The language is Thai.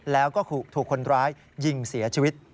แล้วก็ถูกคนร้ายยิงเสียชีวิต